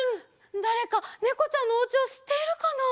だれかねこちゃんのおうちをしっているかな？